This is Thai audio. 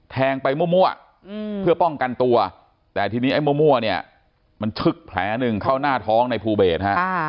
แทงไปมั่วเพื่อป้องกันตัวแต่ทีนี้ไอ้มั่วเนี่ยมันชึกแผลหนึ่งเข้าหน้าท้องในภูเบสฮะ